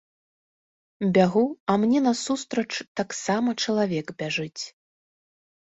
Бягу, а мне насустрач таксама чалавек бяжыць.